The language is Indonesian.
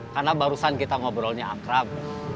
karena barusan kita ngobrolnya akrab